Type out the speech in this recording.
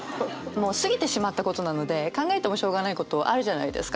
もう過ぎてしまったことなので考えてもしょうがないことあるじゃないですか。